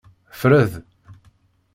Freḍ.